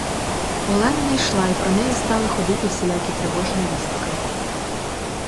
Олена не йшла й про неї стали ходити всілякі тривожні вістки.